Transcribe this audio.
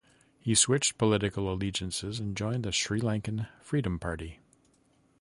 He switched political allegiances and joined the Sri Lanka Freedom Party.